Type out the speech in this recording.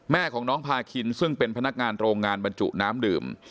แม่ของน้องพาคินซึ่งเป็นพนักงานโรงงานบรรจุน้ำดื่ม